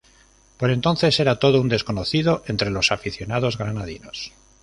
Por entonces, era todo un desconocido entre los aficionados granadinos.